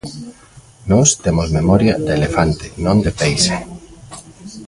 Nós temos memoria de elefante non de peixe.